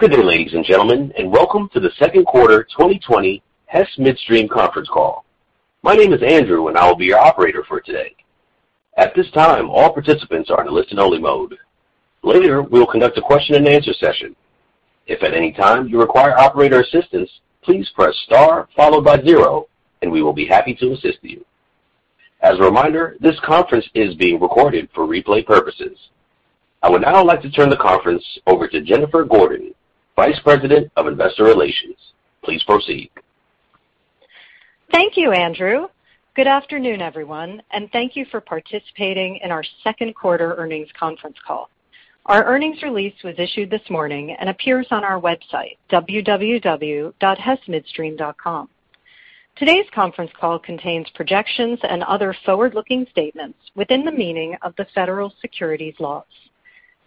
Good day, ladies and gentlemen, welcome to the second quarter 2020 Hess Midstream conference call. My name is Andrew, I will be your operator for today. At this time, all participants are in listen only mode. Later, we will conduct a question and answer session. If at any time you require operator assistance, please press star followed by zero, we will be happy to assist you. As a reminder, this conference is being recorded for replay purposes. I would now like to turn the conference over to Jennifer Gordon, Vice President of Investor Relations. Please proceed. Thank you, Andrew. Good afternoon, everyone, thank you for participating in our second quarter earnings conference call. Our earnings release was issued this morning, appears on our website, www.hessmidstream.com. Today's conference call contains projections and other forward-looking statements within the meaning of the federal securities laws.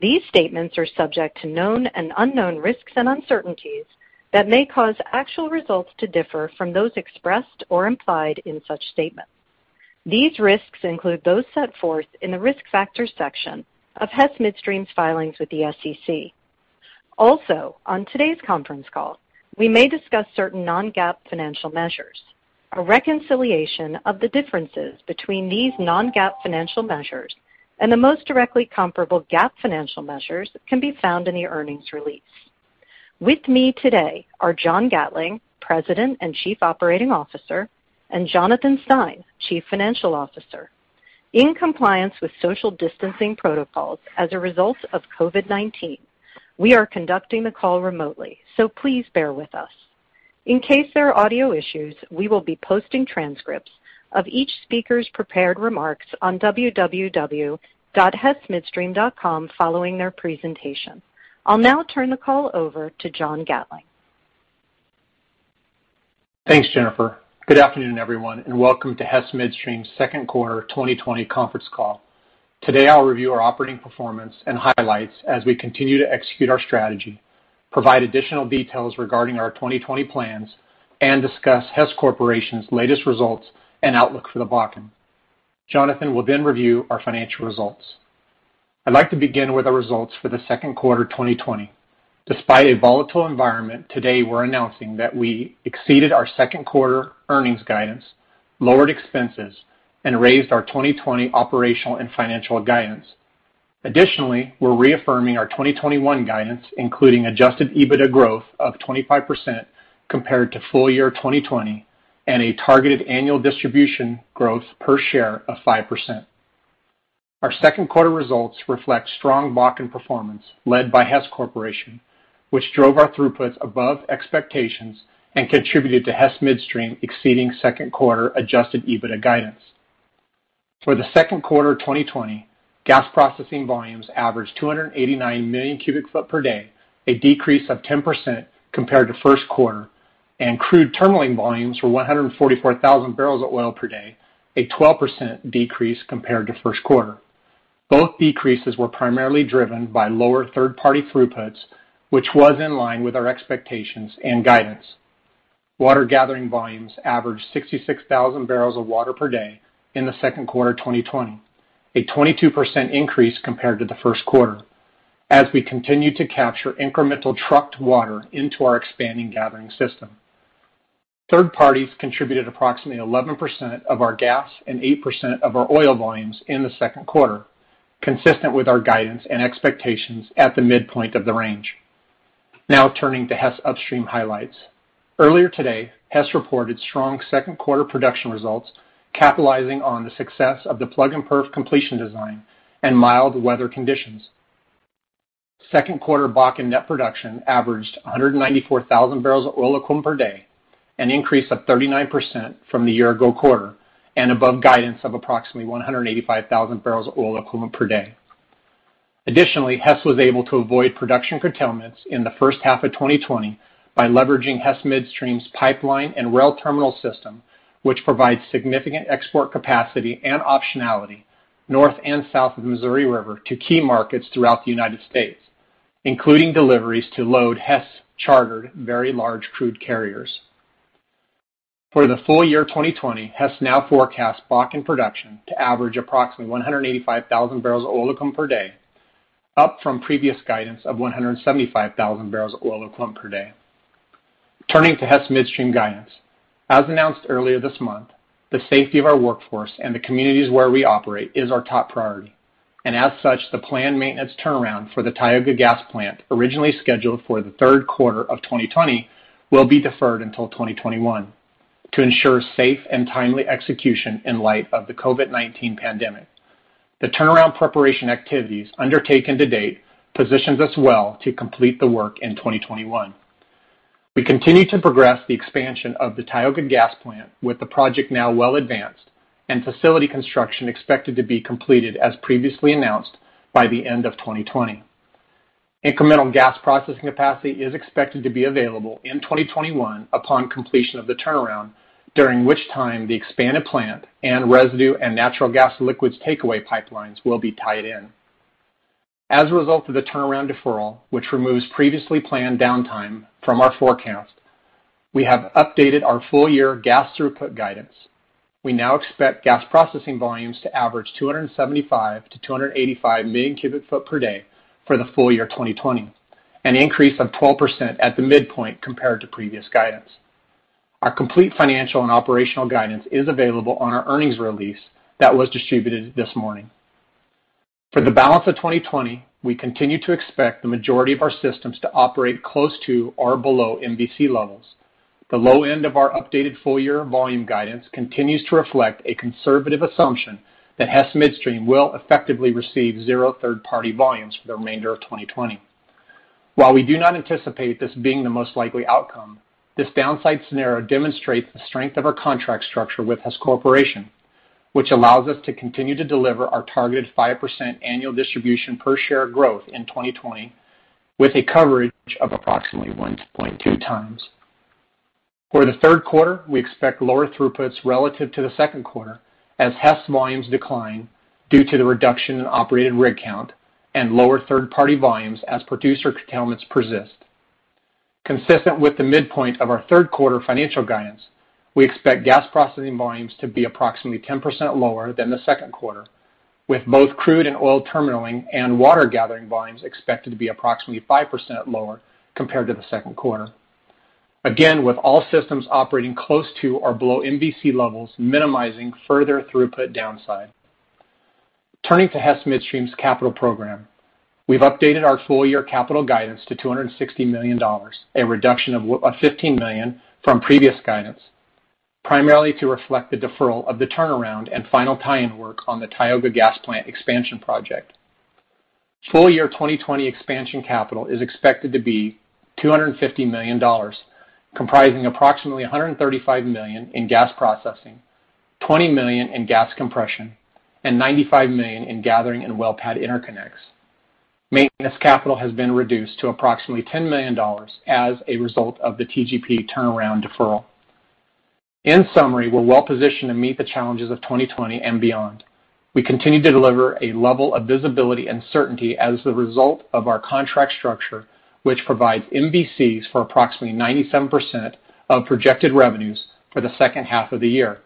These statements are subject to known and unknown risks and uncertainties that may cause actual results to differ from those expressed or implied in such statements. These risks include those set forth in the risk factors section of Hess Midstream's filings with the SEC. Also, on today's conference call, we may discuss certain non-GAAP financial measures. A reconciliation of the differences between these non-GAAP financial measures and the most directly comparable GAAP financial measures can be found in the earnings release. With me today are John Gatling, President and Chief Operating Officer, and Jonathan Stein, Chief Financial Officer. In compliance with social distancing protocols as a result of COVID-19, we are conducting the call remotely, please bear with us. In case there are audio issues, we will be posting transcripts of each speaker's prepared remarks on www.hessmidstream.com following their presentation. I'll now turn the call over to John Gatling. Thanks, Jennifer. Good afternoon, everyone, welcome to Hess Midstream's second quarter 2020 conference call. Today, I'll review our operating performance and highlights as we continue to execute our strategy, provide additional details regarding our 2020 plans, discuss Hess Corporation's latest results and outlook for the Bakken. Jonathan will review our financial results. I'd like to begin with our results for the second quarter 2020. Despite a volatile environment, today we're announcing that we exceeded our second quarter earnings guidance, lowered expenses, raised our 2020 operational and financial guidance. Additionally, we're reaffirming our 2021 guidance, including adjusted EBITDA growth of 25% compared to full year 2020, a targeted annual distribution growth per share of 5%. Our second quarter results reflect strong Bakken performance led by Hess Corporation, which drove our throughputs above expectations and contributed to Hess Midstream exceeding second quarter adjusted EBITDA guidance. For the second quarter 2020, gas processing volumes averaged 289 million cubic foot per day, a decrease of 10% compared to first quarter. Crude terminal volumes were 144,000 barrels of oil per day, a 12% decrease compared to first quarter. Both decreases were primarily driven by lower third-party throughputs, which was in line with our expectations and guidance. Water gathering volumes averaged 66,000 barrels of water per day in the second quarter 2020, a 22% increase compared to the first quarter as we continued to capture incremental trucked water into our expanding gathering system. Third parties contributed approximately 11% of our gas and 8% of our oil volumes in the second quarter, consistent with our guidance and expectations at the midpoint of the range. Turning to Hess upstream highlights. Earlier today, Hess reported strong second quarter production results, capitalizing on the success of the plug-and-perf completion design and mild weather conditions. Second quarter Bakken net production averaged 194,000 barrels of oil equivalent per day, an increase of 39% from the year-ago quarter, and above guidance of approximately 185,000 barrels of oil equivalent per day. Additionally, Hess was able to avoid production curtailments in the first half of 2020 by leveraging Hess Midstream's pipeline and rail terminal system, which provides significant export capacity and optionality north and south of the Missouri River to key markets throughout the U.S., including deliveries to load Hess-chartered very large crude carriers. For the full year 2020, Hess now forecasts Bakken production to average approximately 185,000 barrels of oil equivalent per day, up from previous guidance of 175,000 barrels of oil equivalent per day. Turning to Hess Midstream guidance. As announced earlier this month, the safety of our workforce and the communities where we operate is our top priority, and as such, the planned maintenance turnaround for the Tioga Gas Plant, originally scheduled for the third quarter of 2020, will be deferred until 2021 to ensure safe and timely execution in light of the COVID-19 pandemic. The turnaround preparation activities undertaken to date positions us well to complete the work in 2021. We continue to progress the expansion of the Tioga Gas Plant, with the project now well advanced and facility construction expected to be completed as previously announced by the end of 2020. Incremental gas processing capacity is expected to be available in 2021 upon completion of the turnaround, during which time the expanded plant and residue and natural gas liquids takeaway pipelines will be tied in. As a result of the turnaround deferral, which removes previously planned downtime from our forecast, we have updated our full-year gas throughput guidance. We now expect gas processing volumes to average 275-285 million cubic foot per day for the full year 2020, an increase of 12% at the midpoint compared to previous guidance. Our complete financial and operational guidance is available on our earnings release that was distributed this morning. For the balance of 2020, we continue to expect the majority of our systems to operate close to or below MVC levels. The low end of our updated full-year volume guidance continues to reflect a conservative assumption that Hess Midstream will effectively receive zero third-party volumes for the remainder of 2020. While we do not anticipate this being the most likely outcome, this downside scenario demonstrates the strength of our contract structure with Hess Corporation, which allows us to continue to deliver our targeted 5% annual distribution per share growth in 2020 with a coverage of approximately 1.2 times. For the third quarter, we expect lower throughputs relative to the second quarter, as Hess volumes decline due to the reduction in operated rig count and lower third-party volumes as producer curtailments persist. Consistent with the midpoint of our third quarter financial guidance, we expect gas processing volumes to be approximately 10% lower than the second quarter, with both crude and oil terminaling and water gathering volumes expected to be approximately 5% lower compared to the second quarter. Again, with all systems operating close to or below MVC levels, minimizing further throughput downside. Turning to Hess Midstream's capital program, we have updated our full-year capital guidance to $260 million, a reduction of $15 million from previous guidance, primarily to reflect the deferral of the turnaround and final tie-in work on the Tioga Gas Plant expansion project. Full-year 2020 expansion capital is expected to be $250 million, comprising approximately $135 million in gas processing, $20 million in gas compression, and $95 million in gathering and well pad interconnects. Maintenance capital has been reduced to approximately $10 million as a result of the TGP turnaround deferral. In summary, we are well-positioned to meet the challenges of 2020 and beyond. We continue to deliver a level of visibility and certainty as the result of our contract structure, which provides MVCs for approximately 97% of projected revenues for the second half of the year.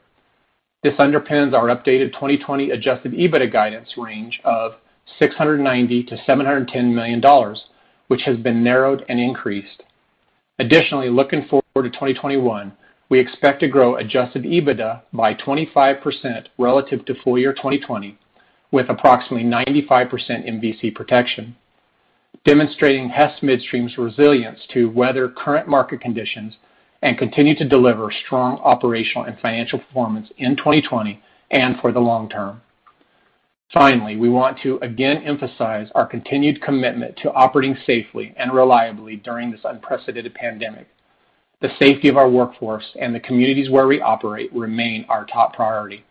This underpins our updated 2020 adjusted EBITDA guidance range of $690 million-$710 million, which has been narrowed and increased. Additionally, looking forward to 2021, we expect to grow adjusted EBITDA by 25% relative to full-year 2020, with approximately 95% MVC protection, demonstrating Hess Midstream's resilience to weather current market conditions and continue to deliver strong operational and financial performance in 2020 and for the long term. Finally, we want to again emphasize our continued commitment to operating safely and reliably during this unprecedented pandemic. The safety of our workforce and the communities where we operate remain our top priority.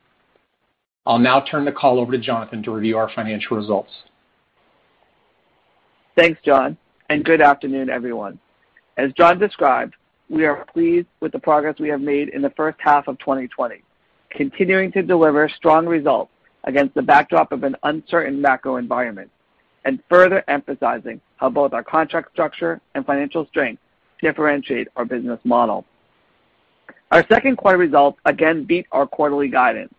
I will now turn the call over to Jonathan to review our financial results. Thanks, John, and good afternoon, everyone. As John described, we are pleased with the progress we have made in the first half of 2020, continuing to deliver strong results against the backdrop of an uncertain macro environment and further emphasizing how both our contract structure and financial strength differentiate our business model. Our second quarter results again beat our quarterly guidance,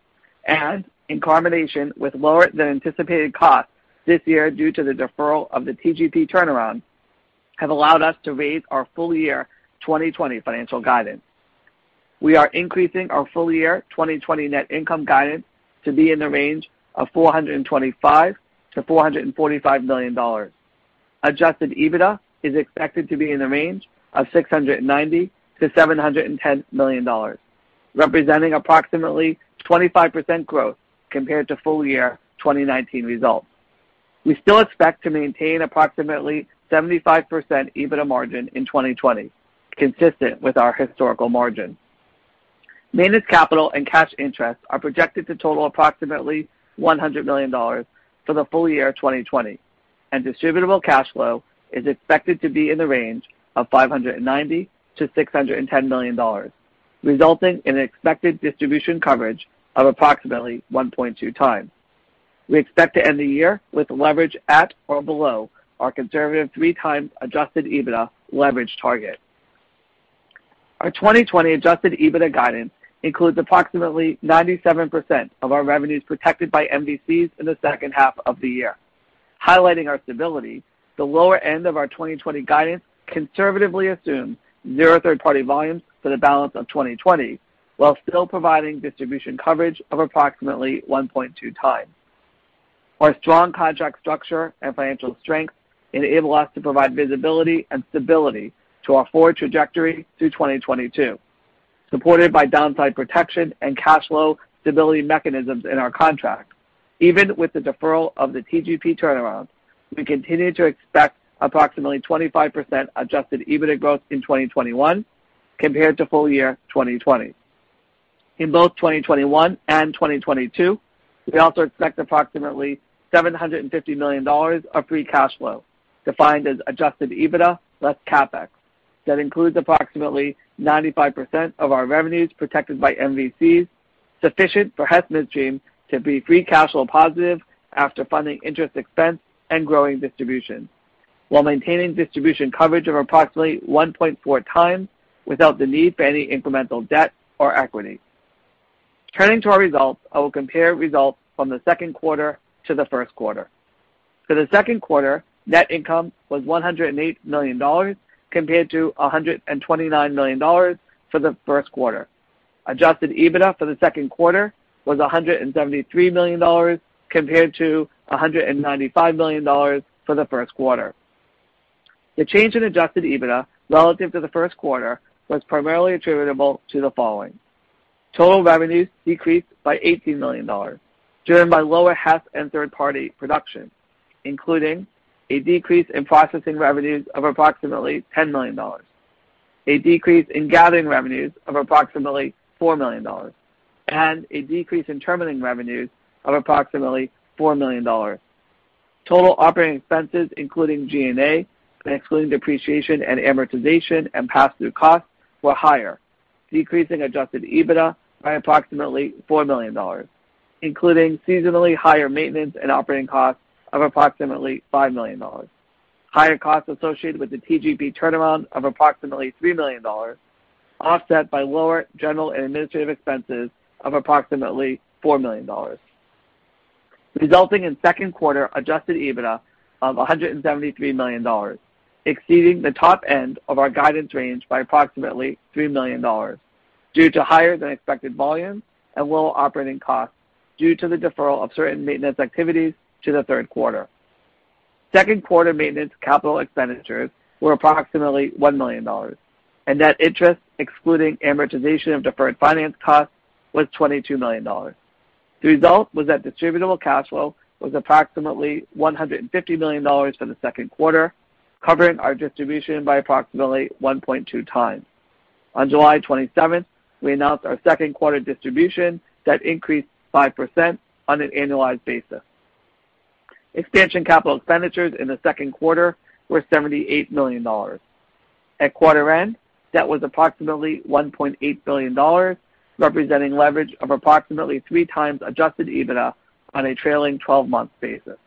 in combination with lower than anticipated costs this year due to the deferral of the TGP turnaround, have allowed us to raise our full-year 2020 financial guidance. We are increasing our full-year 2020 net income guidance to be in the range of $425 million-$445 million. Adjusted EBITDA is expected to be in the range of $690 million-$710 million, representing approximately 25% growth compared to full-year 2019 results. We still expect to maintain approximately 75% EBITDA margin in 2020, consistent with our historical margin. Maintenance capital and cash interest are projected to total approximately $100 million for the full year 2020, distributable cash flow is expected to be in the range of $590 million-$610 million, resulting in expected distribution coverage of approximately 1.2 times. We expect to end the year with leverage at or below our conservative 3 times Adjusted EBITDA leverage target. Our 2020 Adjusted EBITDA guidance includes approximately 97% of our revenues protected by MVCs in the second half of the year. Highlighting our stability, the lower end of our 2020 guidance conservatively assumes zero third-party volumes for the balance of 2020 while still providing distribution coverage of approximately 1.2 times. Our strong contract structure and financial strength enable us to provide visibility and stability to our forward trajectory through 2022. Supported by downside protection and cash flow stability mechanisms in our contracts. Even with the deferral of the TGP turnaround, we continue to expect approximately 25% Adjusted EBITDA growth in 2021 compared to full-year 2020. In both 2021 and 2022, we also expect approximately $750 million of free cash flow, defined as Adjusted EBITDA less CapEx. That includes approximately 95% of our revenues protected by MVCs sufficient for Hess Midstream to be free cash flow positive after funding interest expense and growing distribution, while maintaining distribution coverage of approximately 1.4 times without the need for any incremental debt or equity. Turning to our results, I will compare results from the second quarter to the first quarter. For the second quarter, net income was $108 million compared to $129 million for the first quarter. Adjusted EBITDA for the second quarter was $173 million compared to $195 million for the first quarter. The change in Adjusted EBITDA relative to the first quarter was primarily attributable to the following. Total revenues decreased by $18 million, driven by lower half and third-party production, including a decrease in processing revenues of approximately $10 million, a decrease in gathering revenues of approximately $4 million, and a decrease in terminalling revenues of approximately $4 million. Total operating expenses, including G&A and excluding depreciation and amortization and pass-through costs were higher, decreasing Adjusted EBITDA by approximately $4 million, including seasonally higher maintenance and operating costs of approximately $5 million. Higher costs associated with the TGP turnaround of approximately $3 million, offset by lower general and administrative expenses of approximately $4 million, resulting in second quarter adjusted EBITDA of $173 million, exceeding the top end of our guidance range by approximately $3 million due to higher than expected volumes and lower operating costs due to the deferral of certain maintenance activities to the third quarter. Second quarter maintenance capital expenditures were approximately $1 million, and net interest, excluding amortization of deferred finance costs, was $22 million. The result was that distributable cash flow was approximately $150 million for the second quarter, covering our distribution by approximately 1.2 times. On July 27th, we announced our second quarter distribution that increased 5% on an annualized basis. Expansion capital expenditures in the second quarter were $78 million. At quarter end, debt was approximately $1.8 billion, representing leverage of approximately three times adjusted EBITDA on a trailing 11 month basis.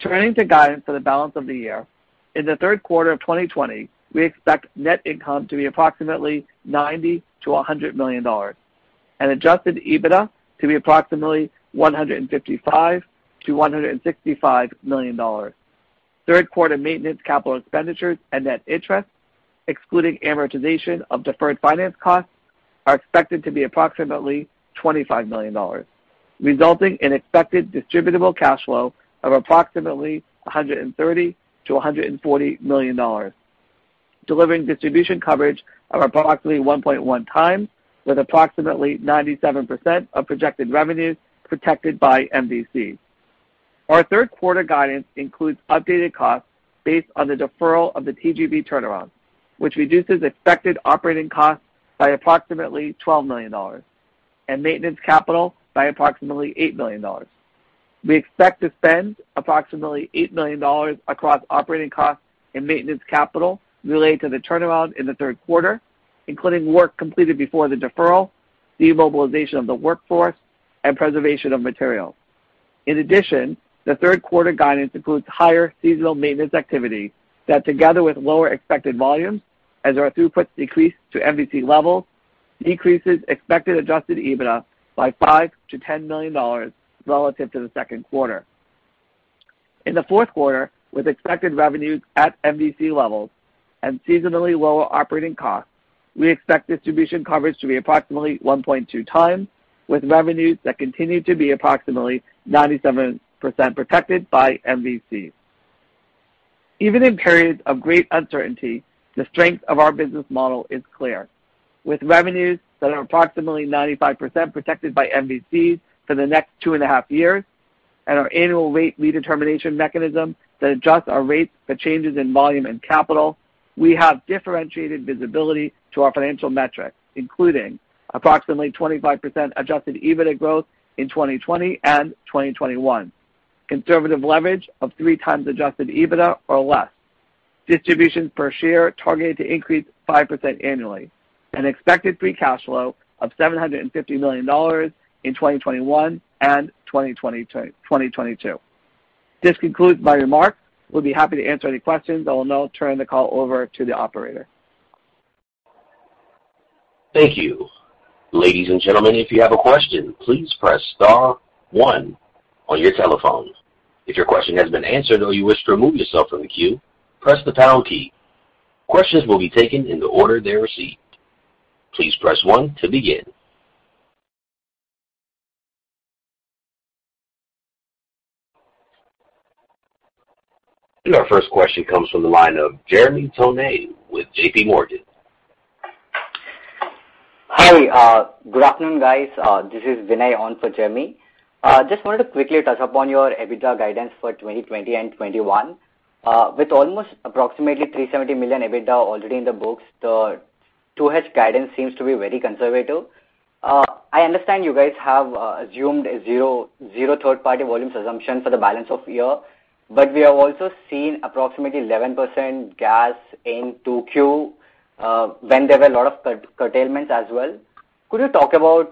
Turning to guidance for the balance of the year, in the third quarter of 2020, we expect net income to be approximately $90 million to $100 million and adjusted EBITDA to be approximately $155 million to $165 million. Third quarter maintenance capital expenditures and net interest, excluding amortization of deferred finance costs, are expected to be approximately $25 million, resulting in expected distributable cash flow of approximately $130 million to $140 million, delivering distribution coverage of approximately 1.1 times with approximately 97% of projected revenues protected by MVCs. Our third quarter guidance includes updated costs based on the deferral of the TGP turnaround, which reduces expected operating costs by approximately $12 million and maintenance capital by approximately $8 million. We expect to spend approximately $8 million across operating costs and maintenance capital related to the turnaround in the third quarter, including work completed before the deferral, demobilization of the workforce, and preservation of materials. In addition, the third quarter guidance includes higher seasonal maintenance activity that, together with lower expected volumes as our throughputs decrease to MVC levels, decreases expected adjusted EBITDA by $5 million to $10 million relative to the second quarter. In the fourth quarter, with expected revenues at MVC levels and seasonally lower operating costs, we expect distribution coverage to be approximately 1.2 times, with revenues that continue to be approximately 97% protected by MVCs. Even in periods of great uncertainty, the strength of our business model is clear. With revenues that are approximately 95% protected by MVCs for the next two and a half years, and our annual rate redetermination mechanism that adjusts our rates for changes in volume and capital, we have differentiated visibility to our financial metrics, including approximately 25% adjusted EBITDA growth in 2020 and 2021, conservative leverage of three times adjusted EBITDA or less, distributions per share targeted to increase 5% annually, and expected free cash flow of $750 million in 2021 and 2022. This concludes my remarks. We will be happy to answer any questions. I will now turn the call over to the Operator. Thank you. Ladies and gentlemen, if you have a question, please press star one on your telephone. If your question has been answered or you wish to remove yourself from the queue, press the pound key. Questions will be taken in the order they're received. Please press one to begin. Our first question comes from the line of Jeremy Tonet with J.P. Morgan. Hi. Good afternoon, guys. This is Vinay on for Jeremy. Just wanted to quickly touch upon your EBITDA guidance for 2020 and 2021. With almost approximately $370 million EBITDA already in the books, the two hedge guidance seems to be very conservative. I understand you guys have assumed a zero third party volumes assumption for the balance of the year. We have also seen approximately 11% gas in 2Q, when there were a lot of curtailments as well. There seems to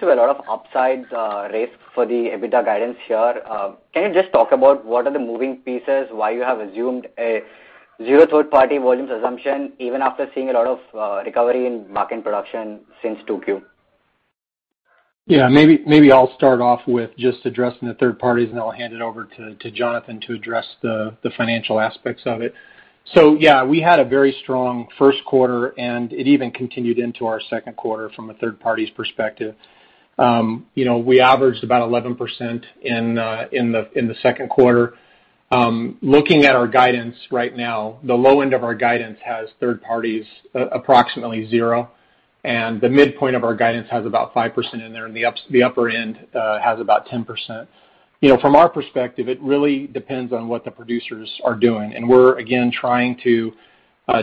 be a lot of upside risk for the EBITDA guidance here. Can you just talk about what are the moving pieces, why you have assumed a zero third party volumes assumption even after seeing a lot of recovery in marketing production since 2Q? Yeah. Maybe I'll start off with just addressing the third parties, and then I'll hand it over to Jonathan to address the financial aspects of it. Yeah, we had a very strong first quarter, and it even continued into our second quarter from a third party's perspective. We averaged about 11% in the second quarter. Looking at our guidance right now, the low end of our guidance has third parties approximately 0, and the midpoint of our guidance has about 5% in there, and the upper end has about 10%. From our perspective, it really depends on what the producers are doing. We're, again, trying to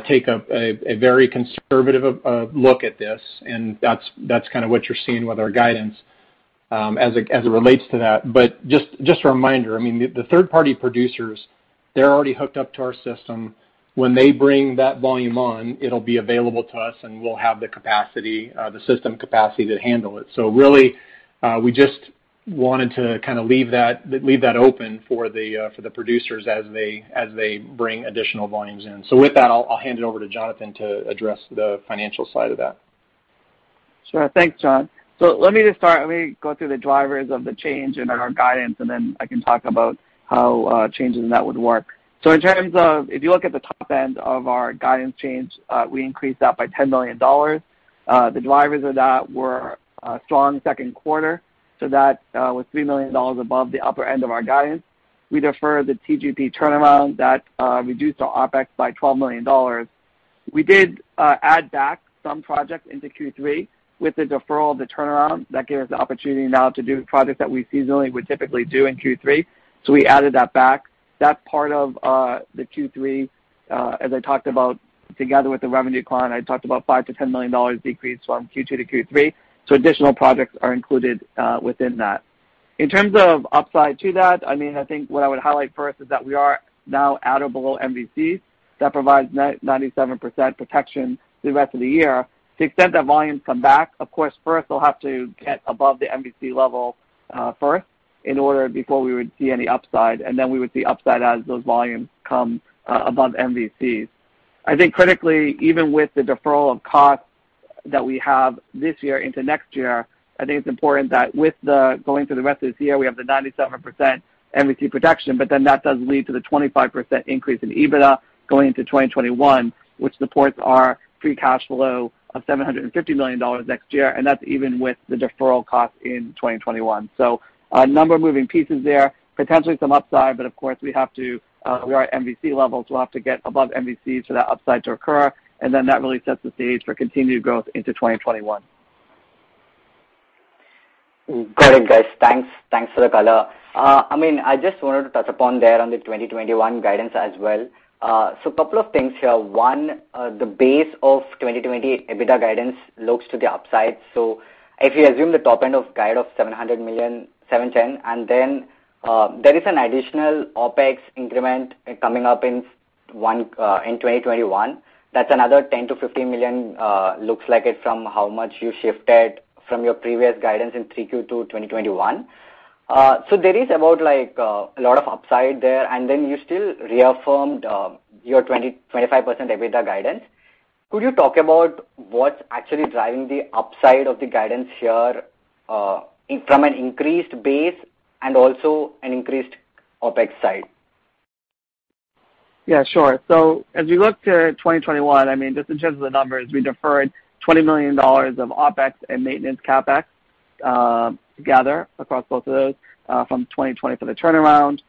take a very conservative look at this, and that's what you're seeing with our guidance as it relates to that. Just a reminder, the third party producers, they're already hooked up to our system. When they bring that volume on, it'll be available to us, and we'll have the system capacity to handle it. Really, we just wanted to leave that open for the producers as they bring additional volumes in. With that, I'll hand it over to Jonathan to address the financial side of that. Sure. Thanks, John. Let me just start. Let me go through the drivers of the change in our guidance, and then I can talk about how changes in that would work. In terms of if you look at the top end of our guidance change, we increased that by $10 million. The drivers of that were a strong second quarter. That was $3 million above the upper end of our guidance. We deferred the TGP turnaround that reduced our OpEx by $12 million. We did add back some projects into Q3 with the deferral of the turnaround. That gave us the opportunity now to do projects that we seasonally would typically do in Q3. We added that back. That's part of the Q3, as I talked about together with the revenue decline, I talked about $5 million-$10 million decrease from Q2 to Q3. Additional projects are included within that. In terms of upside to that, I think what I would highlight first is that we are now at or below MVCs. That provides 97% protection through the rest of the year. To the extent that volumes come back, of course, first they'll have to get above the MVC level first in order before we would see any upside, and then we would see upside as those volumes come above MVCs. I think critically, even with the deferral of costs that we have this year into next year, I think it's important that going through the rest of this year, we have the 97% MVC protection, but then that does lead to the 25% increase in EBITDA going into 2021, which supports our free cash flow of $750 million next year, and that's even with the deferral cost in 2021. A number of moving pieces there, potentially some upside, but of course we're at MVC levels. We'll have to get above MVCs for that upside to occur, and then that really sets the stage for continued growth into 2021. Got it, guys. Thanks for the color. I just wanted to touch upon there on the 2021 guidance as well. Couple of things here. One, the base of 2020 EBITDA guidance looks to the upside. If you assume the top end of guide of 710, and then there is an additional OpEx increment coming up in 2021. That's another 10 million-15 million, looks like it from how much you shifted from your previous guidance in 3Q to 2021. There is about a lot of upside there, and then you still reaffirmed your 25% EBITDA guidance. Could you talk about what's actually driving the upside of the guidance here from an increased base and also an increased OpEx side? Yeah, sure. As we look to 2021, just in terms of the numbers, we deferred $20 million of OpEx and maintenance CapEx together across both of those from 2020 for the turnaround.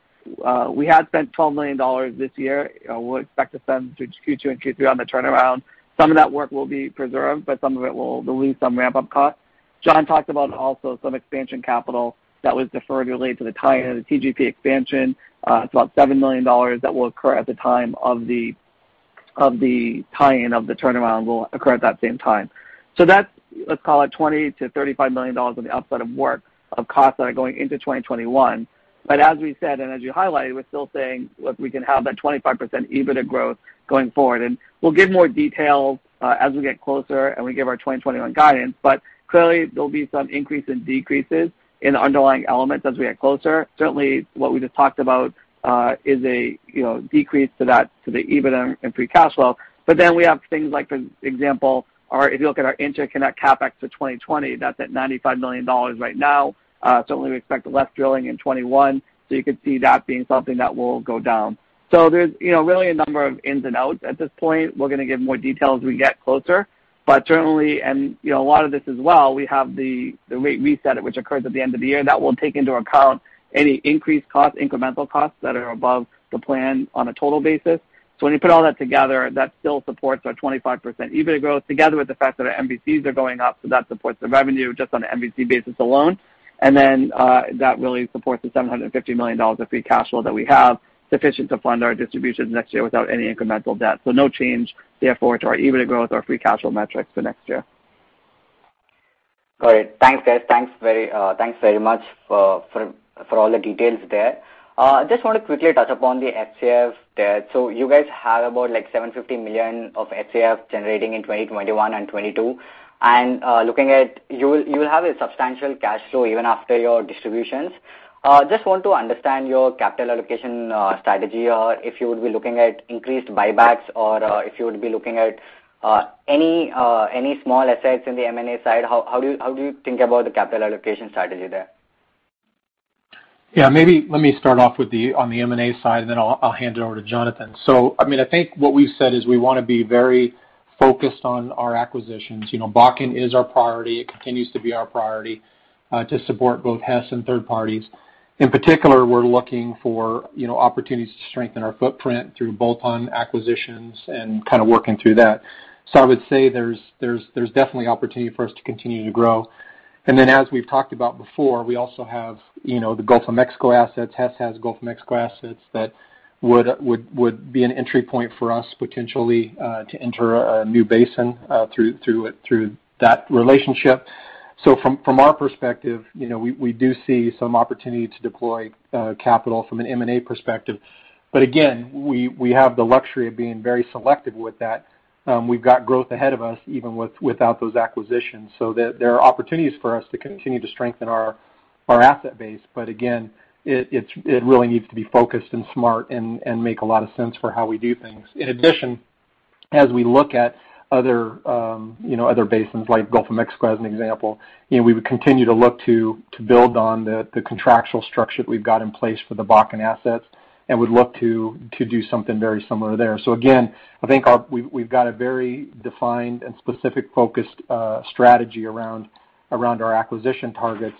We had spent $12 million this year. We will expect to spend through 2Q and Q3 on the turnaround. Some of that work will be preserved, but some of it will lose some ramp-up cost. John talked about also some expansion capital that was deferred related to the tie-in of the TGP expansion. It is about $7 million that will occur at the time of the tie-in of the turnaround will occur at that same time. That is, let us call it $20-$35 million on the upside of work of costs that are going into 2021. As we said, and as you highlighted, we are still saying we can have that 25% EBITDA growth going forward. We will give more details as we get closer and we give our 2021 guidance, clearly, there will be some increase and decreases in underlying elements as we get closer. Certainly, what we just talked about is a decrease to the EBITDA and free cash flow. We have things like, for example, if you look at our interconnect CapEx for 2020, that is at $95 million right now. Certainly, we expect less drilling in 2021, you could see that being something that will go down. There is really a number of ins and outs at this point. We are going to give more detail as we get closer. Certainly, and a lot of this as well, we have the rate reset at which occurs at the end of the year. That will take into account any increased cost, incremental costs that are above the plan on a total basis. When you put all that together, that still supports our 25% EBITDA growth together with the fact that our MVCs are going up, that supports the revenue just on an MVC basis alone. That really supports the $750 million of free cash flow that we have sufficient to fund our distributions next year without any incremental debt. No change, therefore, to our EBITDA growth or free cash flow metrics for next year. Great. Thanks, guys. Thanks very much for all the details there. Just want to quickly touch upon the FCF there. You guys have about $750 million of FCF generating in 2021 and 2022. Looking at, you will have a substantial cash flow even after your distributions. Just want to understand your capital allocation strategy, or if you would be looking at increased buybacks, or if you would be looking at any small assets in the M&A side. How do you think about the capital allocation strategy there? Maybe let me start off on the M&A side, then I'll hand it over to Jonathan. I think what we've said is we want to be very focused on our acquisitions. Bakken is our priority. It continues to be our priority, to support both Hess and third parties. In particular, we're looking for opportunities to strengthen our footprint through bolt-on acquisitions and kind of working through that. I would say there's definitely opportunity for us to continue to grow. As we've talked about before, we also have the Gulf of Mexico assets. Hess has Gulf of Mexico assets that would be an entry point for us, potentially, to enter a new basin through that relationship. From our perspective, we do see some opportunity to deploy capital from an M&A perspective. Again, we have the luxury of being very selective with that. We've got growth ahead of us, even without those acquisitions. There are opportunities for us to continue to strengthen our asset base, again, it really needs to be focused and smart and make a lot of sense for how we do things. In addition, as we look at other basins, like Gulf of Mexico as an example, we would continue to look to build on the contractual structure that we've got in place for the Bakken assets and would look to do something very similar there. Again, I think we've got a very defined and specific focused strategy around our acquisition targets.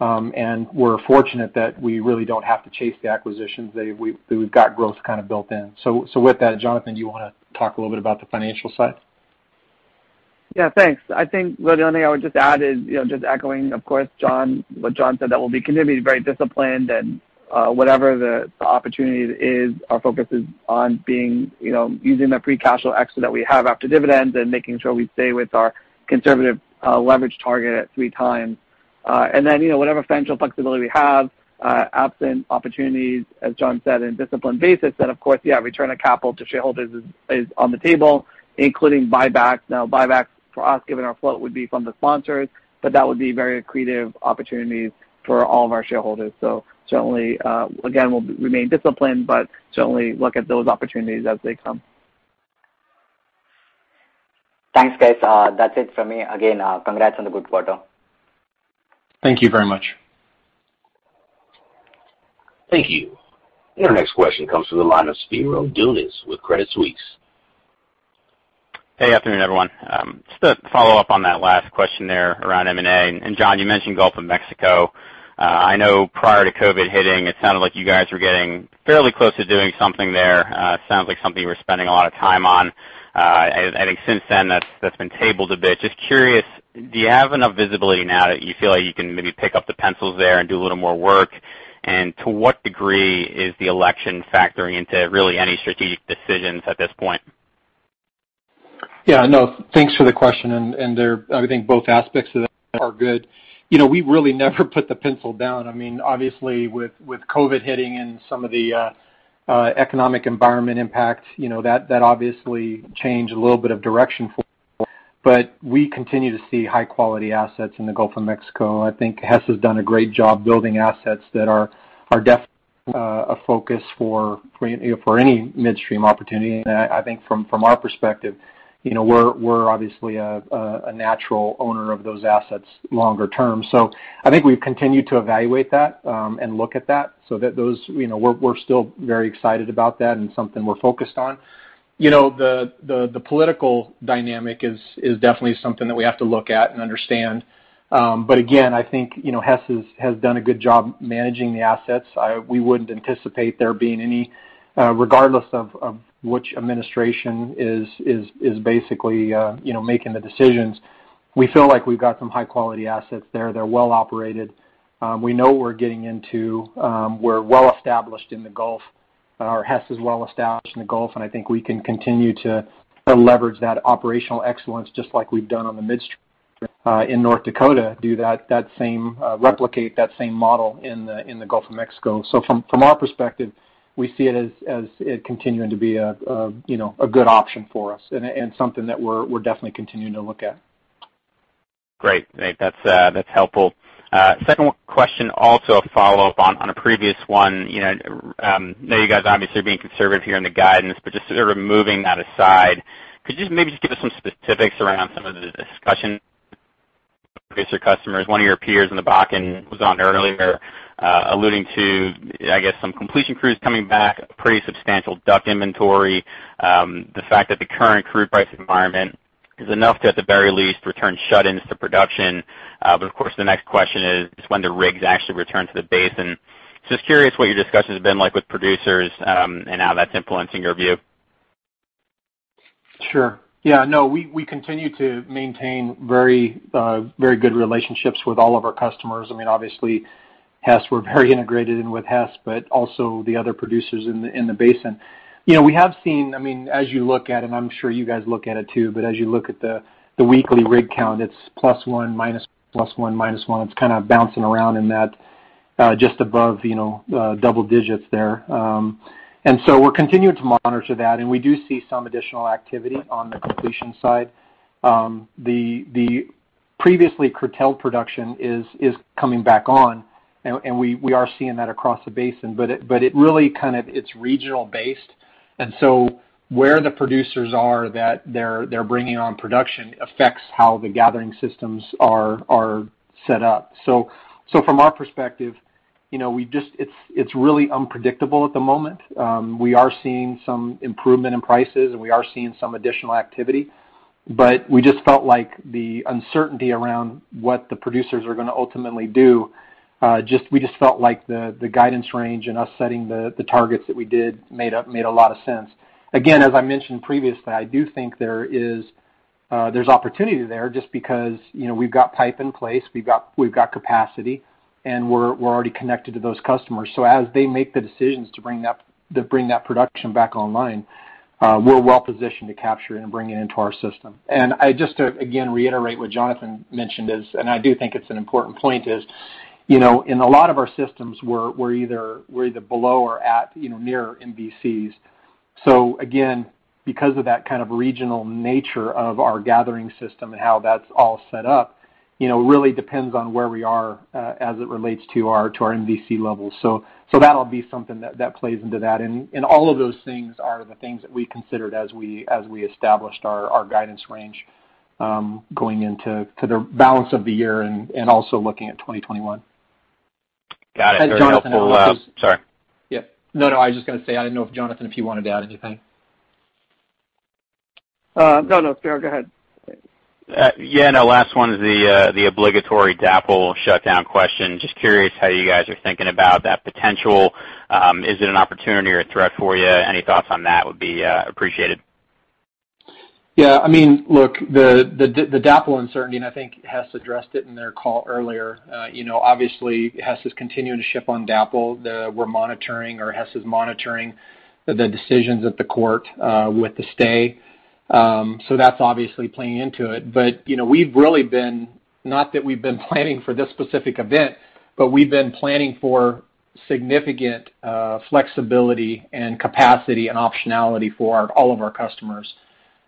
We're fortunate that we really don't have to chase the acquisitions, that we've got growth kind of built in. With that, Jonathan, do you want to talk a little bit about the financial side? Thanks. I think the only thing I would just add is, just echoing, of course, what John said, that we'll be continuing to be very disciplined and whatever the opportunity is, our focus is on using the free cash flow extra that we have after dividends and making sure we stay with our conservative leverage target at 3 times. Whatever financial flexibility we have, absent opportunities, as John said, in disciplined basis, then, of course, return of capital to shareholders is on the table, including buybacks. Buybacks for us, given our float, would be from the sponsors, but that would be very accretive opportunities for all of our shareholders. Certainly, again, we'll remain disciplined, but certainly look at those opportunities as they come. Thanks, guys. That's it from me. Again, congrats on the good quarter. Thank you very much. Thank you. Your next question comes from the line of Spiro Dounis with Credit Suisse. Hey, afternoon, everyone. Just to follow up on that last question there around M&A. John, you mentioned Gulf of Mexico. I know prior to COVID hitting, it sounded like you guys were getting fairly close to doing something there. It sounds like something you were spending a lot of time on. I think since then, that's been tabled a bit. Just curious, do you have enough visibility now that you feel like you can maybe pick up the pencils there and do a little more work? To what degree is the election factoring into really any strategic decisions at this point? Yeah. No, thanks for the question. I think both aspects of that are good. We really never put the pencil down. Obviously, with COVID hitting and some of the economic environment impact, that obviously changed a little bit of direction for us. We continue to see high-quality assets in the Gulf of Mexico. I think Hess has done a great job building assets that are definitely a focus for any midstream opportunity. I think from our perspective, we're obviously a natural owner of those assets longer term. I think we've continued to evaluate that and look at that, so we're still very excited about that and something we're focused on. The political dynamic is definitely something that we have to look at and understand. Again, I think Hess has done a good job managing the assets. We wouldn't anticipate there being any, regardless of which administration is basically making the decisions, we feel like we've got some high-quality assets there. They're well-operated. We know we're well-established in the Gulf. Hess is well-established in the Gulf, and I think we can continue to leverage that operational excellence just like we've done on the midstream in North Dakota, replicate that same model in the Gulf of Mexico. From our perspective, we see it as continuing to be a good option for us and something that we're definitely continuing to look at. Great. That's helpful. Second question, also a follow-up on a previous one. I know you guys obviously are being conservative here in the guidance, but just sort of removing that aside, could you maybe just give us some specifics around some of the discussions with your customers? One of your peers in the Bakken was on earlier, alluding to, I guess, some completion crews coming back, pretty substantial DUC inventory. The fact that the current crude price environment is enough to, at the very least, return shut-ins to production. Of course, the next question is just when the rigs actually return to the basin. Just curious what your discussion has been like with producers, and how that's influencing your view. Sure. Yeah. No, we continue to maintain very good relationships with all of our customers. Obviously Hess, we're very integrated in with Hess, but also the other producers in the basin. We have seen, as you look at it, I'm sure you guys look at it too, but as you look at the weekly rig count, it's +1, minus, +1, minus 1. It's kind of bouncing around in that, just above double digits there. We're continuing to monitor that, and we do see some additional activity on the completion side. The previously curtailed production is coming back on, and we are seeing that across the basin. It really kind of, it's regional based. Where the producers are that they're bringing on production affects how the gathering systems are set up. From our perspective, it's really unpredictable at the moment. We are seeing some improvement in prices, and we are seeing some additional activity. We just felt like the uncertainty around what the producers are going to ultimately do, we just felt like the guidance range and us setting the targets that we did made a lot of sense. Again, as I mentioned previously, I do think there's opportunity there just because we've got pipe in place, we've got capacity, and we're already connected to those customers. As they make the decisions to bring that production back online, we're well-positioned to capture it and bring it into our system. Just to, again, reiterate what Jonathan mentioned is, and I do think it's an important point, is in a lot of our systems, we're either below or at near MVCs. Again, because of that kind of regional nature of our gathering system and how that's all set up, really depends on where we are as it relates to our MVC levels. That'll be something that plays into that. All of those things are the things that we considered as we established our guidance range, going into the balance of the year and also looking at 2021. Got it. Very helpful. Sorry. No, I was just going to say, I didn't know if Jonathan, if you wanted to add anything. No, Spiro, go ahead. Last one is the obligatory DAPL shutdown question. Just curious how you guys are thinking about that potential. Is it an opportunity or a threat for you? Any thoughts on that would be appreciated. Look, the DAPL uncertainty, and I think Hess addressed it in their call earlier. Hess is continuing to ship on DAPL. We're monitoring, or Hess is monitoring the decisions of the court with the stay. That's obviously playing into it. We've really been, not that we've been planning for this specific event, but we've been planning for significant flexibility and capacity and optionality for all of our customers,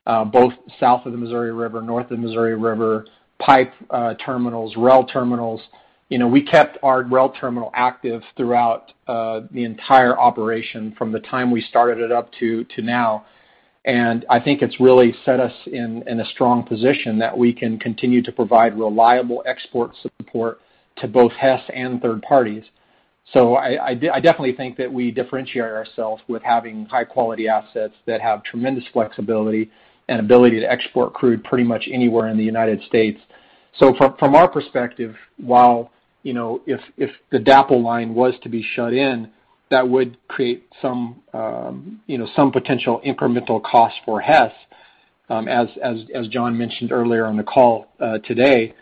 both south of the Missouri River, north of the Missouri River, pipe terminals, rail terminals. We kept our rail terminal active throughout the entire operation from the time we started it up to now. I think it's really set us in a strong position that we can continue to provide reliable export support to both Hess and third parties. I definitely think that we differentiate ourselves with having high-quality assets that have tremendous flexibility and ability to export crude pretty much anywhere in the U.S. From our perspective, while if the DAPL line was to be shut in, that would create some potential incremental cost for Hess. As John mentioned earlier on the call today,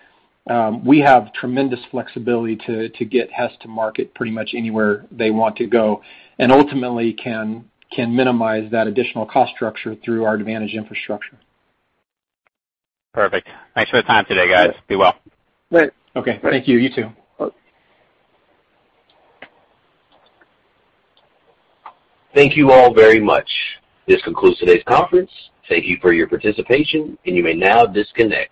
we have tremendous flexibility to get Hess to market pretty much anywhere they want to go and ultimately can minimize that additional cost structure through our advantage infrastructure. Perfect. Thanks for the time today, guys. Be well. Great. Okay. Thank you. You too. Bye. Thank you all very much. This concludes today's conference. Thank you for your participation, and you may now disconnect.